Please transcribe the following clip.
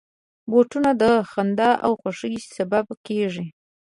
بوټونه د خندا او خوښۍ سبب کېږي.